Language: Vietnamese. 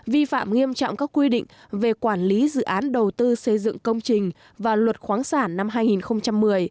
vi phạm nghiêm trọng các quy định về quản lý dự án đầu tư xây dựng công trình và luật khoáng sản năm hai nghìn một mươi